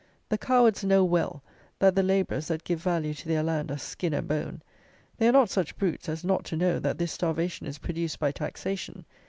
The cowards know well that the labourers that give value to their land are skin and bone. They are not such brutes as not to know that this starvation is produced by taxation.